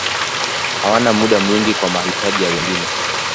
Hawana muda mwingi kwa mahitaji ya wengine.